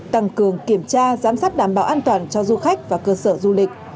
tăng cường kiểm tra giám sát đảm bảo an toàn cho du khách và cơ sở du lịch